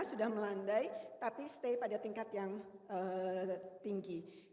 sudah melandai tapi stay pada tingkat yang tinggi